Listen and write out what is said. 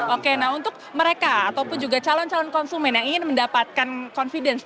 oke nah untuk mereka ataupun juga calon calon konsumen yang ingin mendapatkan confidence